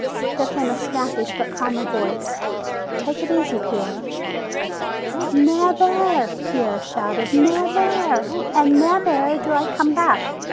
There came a snappish but calmer voice. "Take it easy, Pierre." "Nev air!" Pierre shouted. "Nev air, and nev air do I come back!"